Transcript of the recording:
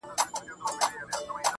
گراني اوس دي سترگي رانه پټي كړه.